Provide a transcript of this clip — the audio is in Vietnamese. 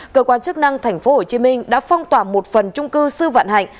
cơ quan chức năng tp hcm đã phong tỏa một phần trung cư sư vạn hạnh